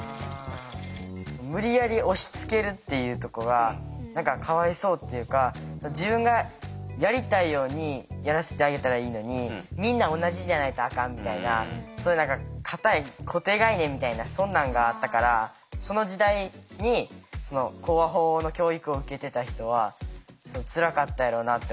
無理やり押しつけるっていうとこは何かかわいそうっていうか自分がやりたいようにやらせてあげたらいいのにみんな同じじゃないとあかんみたいなそういう何か硬い固定概念みたいなそんなんがあったからその時代に口話法の教育を受けてた人はつらかったやろうなと思う。